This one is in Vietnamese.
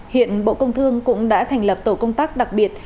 hiện bộ công thương cũng đã thành lập tổ công tác đặc biệt